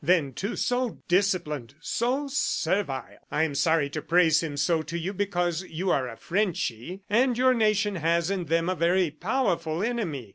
Then, too, so disciplined! so servile! ... I am sorry to praise him so to you because you are a Frenchy, and your nation has in them a very powerful enemy.